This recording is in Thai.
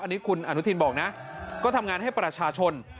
อันนี้คุณอนุทินบอกนะก็ทำงานให้ประชาชน